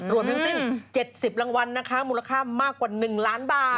รวมทั้งสิ้น๗๐รางวัลนะคะมูลค่ามากกว่า๑ล้านบาท